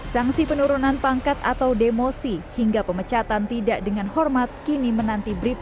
sanksi penurunan pangkat atau demosi hingga pemecatan tidak dengan hormat kini menanti brib